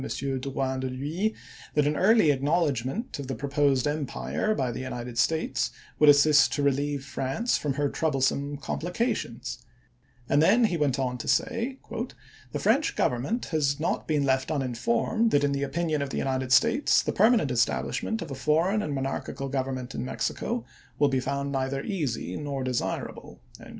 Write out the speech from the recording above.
Drouyn de l'Huys that an early acknowledgment of the proposed empire by the United States would assist to relieve France from her troublesome com plications ; and then went on to say, " the French Government has not been left uninformed that, in the opinion of the United States, the permanent establishment of a foreign and monarchical govern ment in Mexico will be found neither easy nor de sirable."